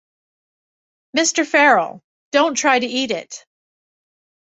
Mr. Farrell, don’t try to eat it.